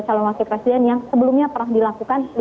calon wakil presiden yang sebelumnya pernah dilakukan